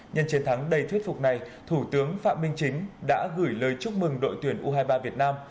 nhân chiến thắng đầy thuyết phục này thủ tướng phạm minh chính đã gửi lời chúc mừng đội tuyển u hai mươi ba việt nam